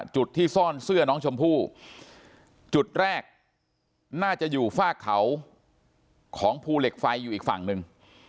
จุดที่ซ่อนเสื้อน้องชมพู่จุดแรกน่าจะอยู่ฟากเขาของภูเหล็กไฟอยู่อีกฝั่งหนึ่ง